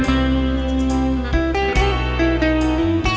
เพลง